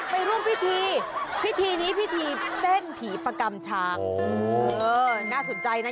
ไปร่วมพิธีพิธีนี้พิธีเต้นผีประกำช้างน่าสนใจนะ